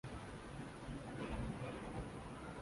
Yeye kawaida hucheza kwenye nafasi ya katikati.